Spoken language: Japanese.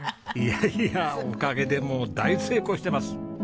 いやいやおかげでもう大成功してます。